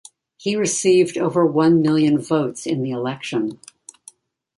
He received over one million votes in the election.